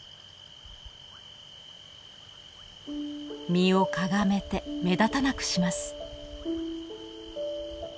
身をかがめて目立たなくします。